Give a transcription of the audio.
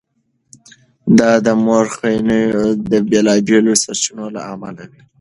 دا د مورخینو د بېلابېلو سرچینو له امله وي.